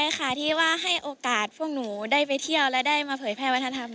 รู้สึกดีใจค่ะที่ว่าให้โอกาสพวกหนูได้ไปเที่ยวและได้มาเผยแพร่วัฒนธรรมใช่ไหมค่ะ